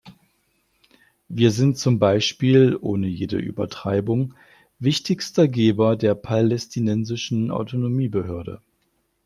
Wir sind zum Beispiel ohne jede Übertreibung wichtigster Geber der palästinensischen Autonomiebehörde.